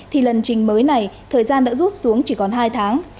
thì lần trình mới này thời gian đã rút xuống chỉ còn hai tháng